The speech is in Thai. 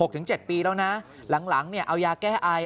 ๖ถึง๗ปีแล้วหลังเอายาแก้อาย